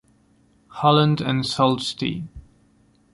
Holland and Sault Ste.